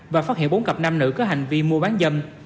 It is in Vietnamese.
và phát hiện bốn cặp nam nữ có hành vi mua bán dâm